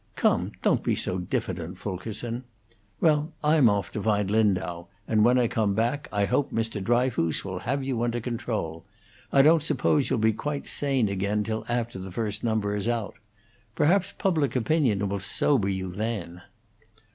Come, don't be so diffident, Fulkerson. Well, I'm off to find Lindau, and when I come back I hope Mr. Dryfoos will have you under control. I don't suppose you'll be quite sane again till after the first number is out. Perhaps public opinion will sober you then."